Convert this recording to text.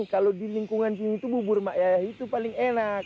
kalau di lingkungan sini itu bubur itu paling enak